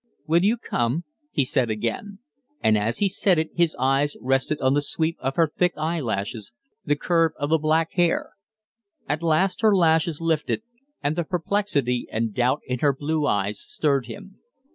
"Will you come?" he said again. And as he said it his eyes rested on the sweep of her thick eyelashes, the curve of the black hair. At last her lashes lifted, and the perplexity and doubt in her blue eyes stirred him.